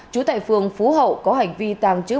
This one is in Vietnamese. trú tại phường phú hậu có hành vi tàng trữ